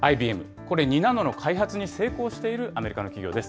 これ、２ナノの開発に成功しているアメリカの企業です。